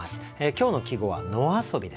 今日の季語は「野遊」です。